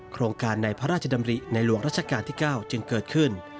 โครงการในพระราชดำริในหลวงรัชกาลที่๙จึงเกิดขึ้น